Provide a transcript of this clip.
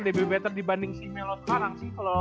lebih better dibanding si melo sekarang sih kalo